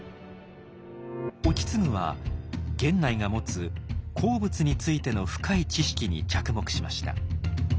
意次は源内が持つ鉱物についての深い知識に着目しました。